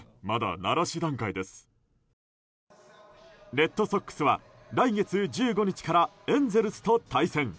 レッドソックスは来月１５日からエンゼルスと対戦。